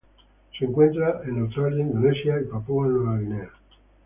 Se encuentra Australia Indonesia y Papúa Nueva Guinea.